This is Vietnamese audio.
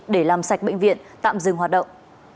để làm sạch bệnh viện tạm dừng hoạt động